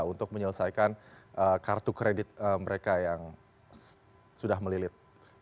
untuk menyelesaikan kartu kredit mereka yang sudah melilit